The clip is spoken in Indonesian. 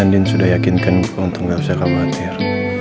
andin sudah yakinkan gue untuk gak usah khawatir